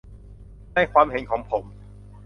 ในความเห็นของผม